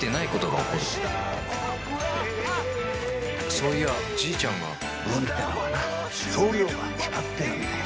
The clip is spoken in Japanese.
そういやじいちゃんが運ってのはな量が決まってるんだよ。